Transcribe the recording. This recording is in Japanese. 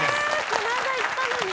この間行ったのに。